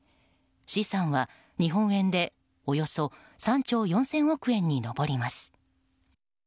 資産は日本円で、およそ３兆４０００億円に上ります。